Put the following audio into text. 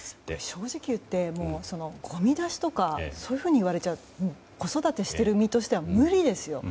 正直言って、ごみ出しとかそういう風に言われちゃうと子育てしている身としては無理ですよ。